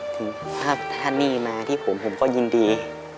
ถ้าหนี้มาที่ผมผมก็ยินดี